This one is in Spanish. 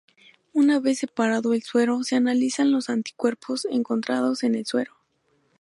Una vez separado el suero se analizan los anticuerpos encontrados en el suero.